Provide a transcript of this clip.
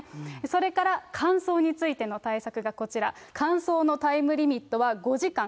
それから乾燥についての対策がこちら、乾燥のタイムリミットは５時間。